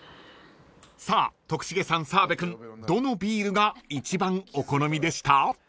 ［さあ徳重さん澤部君どのビールが一番お好みでした？］